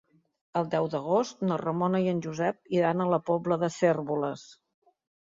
El deu d'agost na Ramona i en Josep iran a la Pobla de Cérvoles.